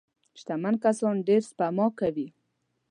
شتمن کسان ډېره سپما کوي.